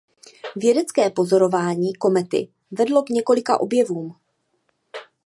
Vědecké pozorování komety vedlo k několika objevům.